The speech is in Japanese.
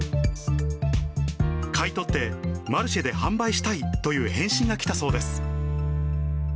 買い取って、マルシェで販売したいという返信が来たそうです。